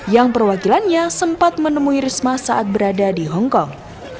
yang perwakilannya sempat menemui risma saat berada di hongkong